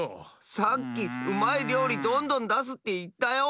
さっき「うまいりょうりどんどんだす」っていったよ。